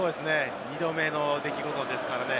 ２度目の出来事ですからね。